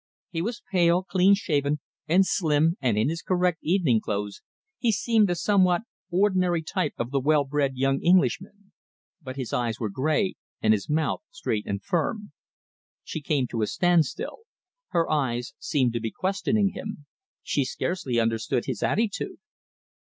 He was pale, clean shaven, and slim, and in his correct evening clothes he seemed a somewhat ordinary type of the well bred young Englishman. But his eyes were grey, and his mouth straight and firm. She came to a standstill. Her eyes seemed to be questioning him. She scarcely understood his attitude.